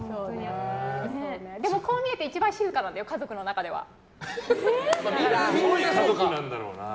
でも、こう見えて一番静かなんだよすごい家族なんだろうな。